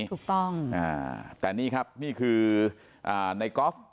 ถูกต้องแต่นี่ครับนี่คือในกอล์ฟ